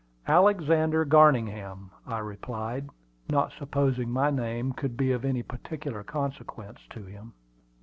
"Alexander Garningham," I replied, not supposing my name could be of any particular consequence to him.